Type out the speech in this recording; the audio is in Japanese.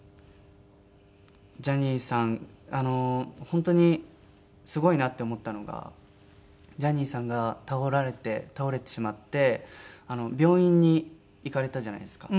本当にすごいなって思ったのがジャニーさんが倒れられて倒れてしまって病院に行かれたじゃないですか。